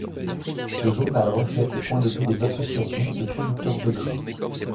Le journal reflète le point de vue des associations de producteurs de grain.